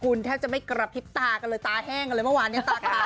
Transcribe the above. คุณแทบจะไม่กระพริบตากันเลยตาแห้งกันเลยเมื่อวานเนี่ยตาขาว